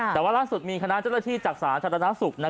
แต่ว่าล่าสุดมีคณะเจ้าหน้าที่จากสาธารณสุข